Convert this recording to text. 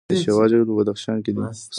د شیوا جهیل په بدخشان کې دی